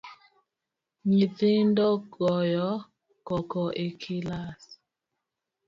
Nyithindo goyo koko e kilas